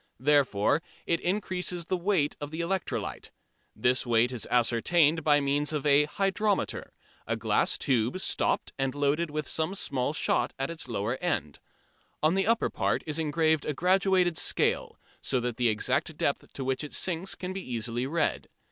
Therefore it increases the weight of the electrolyte. This weight is ascertained by means of a "hydrometer," a glass tube, stopped, and loaded with some small shot at its lower end. On the upper part is engraved a graduated scale, so that the exact depth to which it sinks can be easily read.